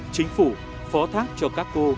chính phủ phó thác cho các cô